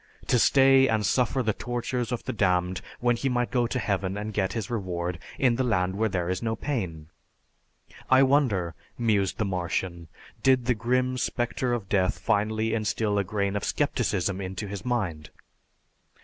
To stay and suffer the tortures of the damned when he might go to heaven and get his reward in the land where there is no pain! "I wonder," mused the Martian, "did the grim spectre of death finally instill a grain of scepticism into his mind?"